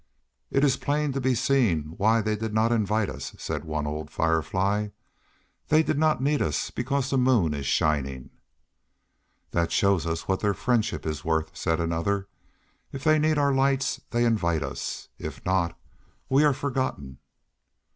"It is plain to be seen why they did not invite us," said one old Firefly. "They did not need us because the moon is shining." "That shows us what their friendship is worth," said another. "If they need our lights, they invite us; if not, we are forgotten."